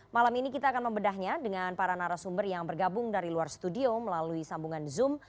malam ini kita akan membedahnya dengan para narasumber yang bergabung dari luar studio melalui sambungan zoom